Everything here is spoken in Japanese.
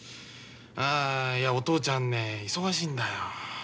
あいやお父ちゃんね忙しいんだよ。